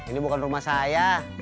ini bukan rumah saya